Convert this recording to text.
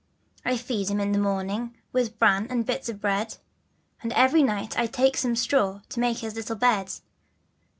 I feed him in the morning with bran and bits of bread, And every night I take some straw to make his little bed.